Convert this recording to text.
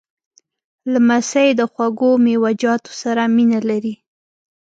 لمسی د خوږو میوهجاتو سره مینه لري.